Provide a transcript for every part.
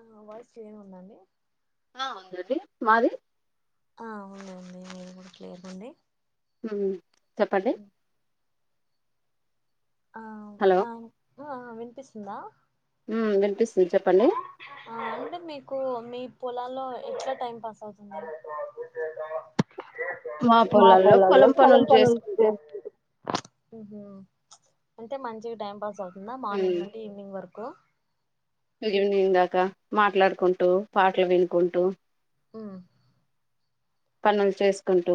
ఆ voice change ఉందండి ఆ ఉందడి మాది ఆ ఉంది ఉంది మీది కూడా క్లియర్ ఉంది హ్మ్ చెప్పండి ఆ హలో ఆ ఆ. అ వినిపిస్తుందా హ్మ్ వినిపిస్తుంది చెప్పండి పొలాల్లో ఎట్లా టైం పాస్ అవుతుంది మా పొలాల్లో పొలం పనులు చేసుకుంట ఉహు అంతే మంచిగా టైం పాస్ అవుతు అమ్మ మార్నింగ్ నుండి ఈవినింగ్ వరకు కో ఈవెనింగ్ దాకా మాట్లాడుకుంటూ పాటలు వినుకుంటూ మ్మ్ పనులు చేసుకుంటూ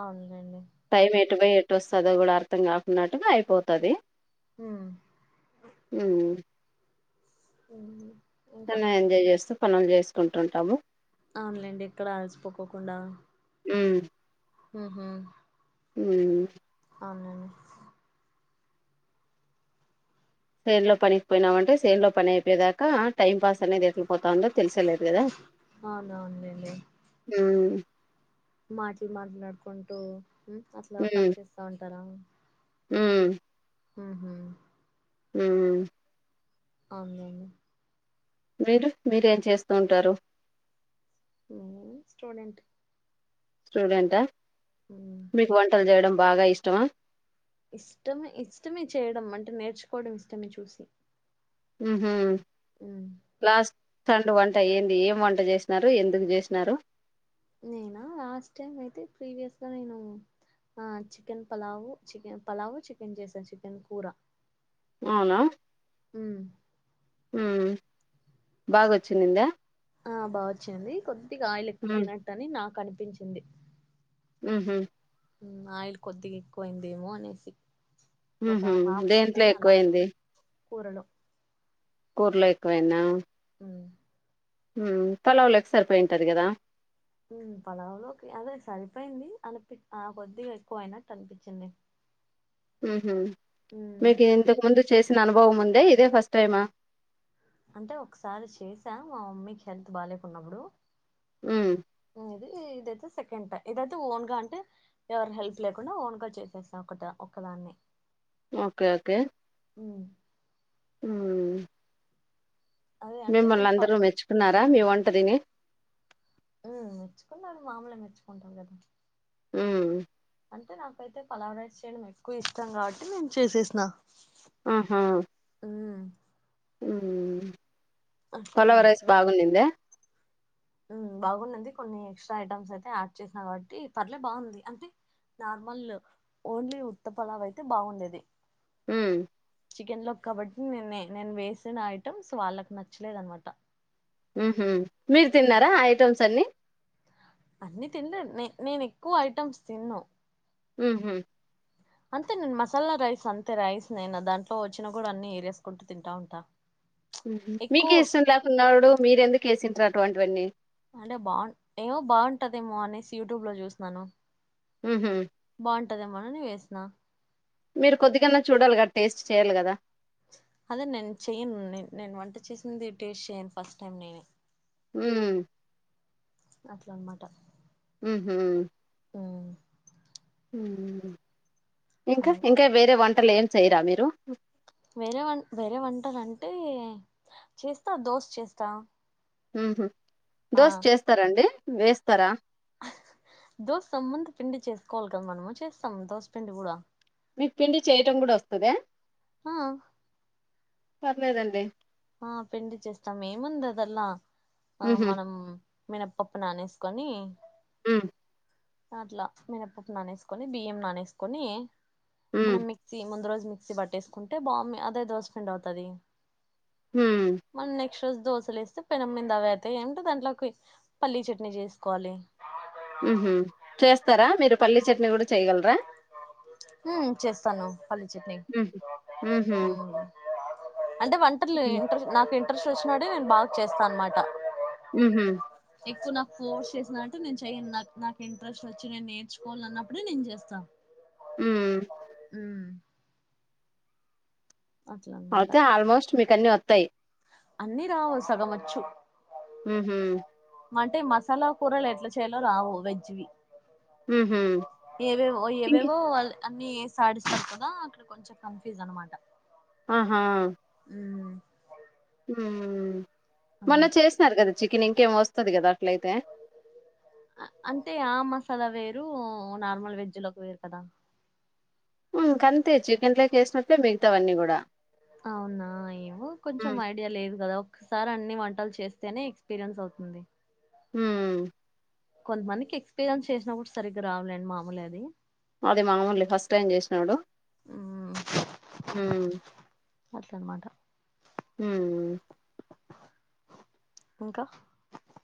అవునండి టైం ఎటు బేయ్ ఎట్టు వస్తుందో కూడా అర్థం కాకున్నట్టుగా అయిపోతది మ్మ్ ఉమ్ మ్మ్ చిన్నగా ఎంజాయ్ చేస్తు పనులు చేసుకుంటుంటాము అవునులేండి ఇక్కడ అల్సిపోకోకుండా మ్మ్ మ్మ్ హ్మ్ మ్మ్ అవునండీ సేన్లో పనికి పోయినామంటే సేన్లో పని అయిపోయదాకా టైం పాస్ అనేది ఎట్లపో తాందో తెలిసేలేదు కదా మాట్లు మాట్లాడుకుంటూ మ్మ్ అట్లా పని చేస్తా ఉంటారా మీ మ్మ్ మ్మ్ హ్మ్ మ్మ్ అవునులేండి మీరు మీరేం చేస్తూంటారు మ్మ్ స్టూడెంట్ స్టూడెంట్ ఆ మీకు వంటలు చేయడం బాగా ఇష్టమా ఇష్టమే ఇష్టమే చేయడం అంటే నేర్చుకోవడం ఇష్టమే చూసి మ్మ్ హ్మ్ లాస్ట్ టన్ డు వంట ఏంది ఏం వంట చేసినారు ఎందుకు చేసినారు నేనా లాస్ట్ టైం అయితే ప్రీవియస్గా నేను chicken pulao chicken pulao chicken చేశాను చికెన్ కూర అవునా మ్మ్ మ్మ్ బాగొచ్చిందిందా ఆ బాగా వచ్చేంది కొ దిగా ఆయిల్ ఉమ్ ఎక్వయినట్టని నాకు అనిపి పప్పించింది ఆమ్మ్ ఆయిల్ కొద్దిగా ఎక్కువయింద ఏమో అనేసి ఉహ దేంట్లో ఎక్కువైంది కూరలు కూర్లో ఎకువనా పలావులకి సరిపోయింటారు కదా పలావలోకి అదే సరిపోయింది అనిపి ఆ కొద్దిగా ఎక్కువ అయినట్టు అనిపించింది మీక ఇంతకు ముందు చేస్త అనుభవం ఉందే ఇదే ఫస్ట్ టైమా అంటే ఒకసారి చేసాం మా మమ్మీకి హెల్త్ బాలేకున్నప్పుడు ఆ అది ఇదైతే సెకండ్ టై ఇదైతే ఓన్ గా అంటే ఎవరు హెల్ప్ లేకుండా ఓన్ గా చేసేసా ఒక ఒకదాన్ని ఓకే ఓకే ఊ ఊ మిమ్మల్ని అందరూ మెచ్చుకున్నారా మీ వంట అద ఊ మెచ్చుకున్నాడు మామూలే మెచ్చుకుంటాం కదా ఊ అంటే నాకైతే పలావ్ రైస్ చేయడం ఎక్కువ ఇష్టం కాబట్టి నేను చేసేసిన ఆహా ఊ పలావ్ రైస్ బాగునిందా ఊ బాగున్నింది కొన్ని ఎక్స్ట్రా ఐటమ్స్ అయితే యాడ్ చేసినా కాబట్టి పర్లే బావుంది అంటే నార్మల్ ఓన్లీ ఉత్త పలావ్ అయితే బావుండేది ఊమ్ చికెన్ లో కాబట్టి నే నేను వేసిన ఐటమ్స్ వాళ్ళకి నచ్చలేదు అనమాట ఊహూ మీరు తిన్నారా ఐటమ్స్ అన్నీ అన్నీ తినలే నే నేను ఎక్కువ ఐటమ్స్ తిన్ను ఊహూ అంతే నేను మసాలా రైస్ అంతే రైస్ నేనా దాంట్లో వచ్చినా కూడా అన్ని ఏరేసుకుంటూ తింటా ఉంటా మీకే ఇష్టం లేకున్నాడు మీరెందుకు వేసింట్రా టువాంటివన్నీ అంటే బావున్ ఏమో బావుంటదేమో అనేసి యూట్యూబ్ లో చూసినాను ఊహూ పంటద మనని వేసినా మీరు కొద్ది గన్నా చూడాలి కదా టేస్ట్ చేయ్యాలి కదా అదే నేను చెయ్యను నేను నేను వంట చేసింది టేస్ట్ చేయ్యను ఫస్ట్ టైం నేను హ్మ్ అట్ల అన్నమాట ఊహూ హ్మ్ ఇంకా ఇంకా వేరే వంట అసలు ఏం చేయరా మీరు వేరే వన్ వేరే వంటలంటే చేస్తా దోశ చేస్తా హుమ్ దోశ చేస్తారండి వేస్తరా దోస ముందు పిండి చేసుకోవాలి కదా, మనము చేస్తాము దోశపిండి కూడా మీ పిండి చేయటం కూడా వస్తదా పర్లేదండి ఆ పిండి చేస్తాం ఏముంది అదల్లా ఆ ఉహు మనమ్ మినప్పప్పు నానేసుకొని ఉ అట్లా మినపప్పు నానేసుకొని బియ్యం నానేసుకొని ఉమ్ మనం మిక్సీ ముందు రోజు మిక్సీ పట్టేసుకుంటే బామ్ అదే దోశపిండి అవుతది. హుమ్ ఎక్ష దోశలు ఏస్తే పెనమింద అవి అయితే ఏమి దాంట్లోకి పల్లీ చట్నీ చేసుకోవాలి. ఉహు చేస్తారా మీరు పల్లీ చట్నీ కూడా చేయ్యగలరా ఉ చేస్తాను పల్లీ చట్నీ ఉహు ఉహు ఊ అంటే వంటలు ఇంట్రస్ నాకు ఇ చూసినడు నేను బాగా చేస్తాను అనమాట ఉహు నాకు కోర్స్ చేసినట్టు నేను చెయను నాకు ఇంట్రెస్ట్ వచ్చి నేను నేర్చుకోవాల అన్నప్పుడే నేను చేస్తాను. ఉహు ఊ అయితే ఆల్మోస్ట్ మీకన్నీ వత్ త్తయి అన్ని రావు సగం వచ్చు హుహు అంటే మసాలా కూరలు ఎట్లా చేయాలో రావు వెజ్ వి ఉహు ఏవేవో ఇంక ఏవేవో వాళ్ళ అన్ని సాడిస్డుతదా అక్కడ కొంచెం కన్ఫ్యూజ్ అనమాట. హా ఊ హు మొన్న చేసినారు కదా చికెన్ ఇంకేం వస్తది కదా అట్లయితే అంటే ఆ మసాలా వేరు వేరు నార్మల్ వెజ్ లోకి వేరు కదా హ్మ్ ఇంకంతే చికెన్ లోకి వేసినట్లు అవునా ఏమో కొంచెం హ్మ్ ఐడియా లేదు కదా ఒకసారి అన్ని వంటలు చేస్తేనే ఎక్స్పీరియన్స్ అవుతుంది హ్మ్ కొంతమందికి ఎక్స్పీరియన్స్ చేసినా కూడా సరిగ్గా రావు లేండి మామూలే అది మాది మామూలే ఫస్ట్ టైం చేసినాడు హ్మ్ మ్మ్ ఇంకా